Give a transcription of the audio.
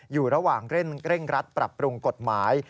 อยู่ระหว่างเร่งรัดปรับปรุงกฎหมาย